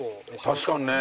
確かにね。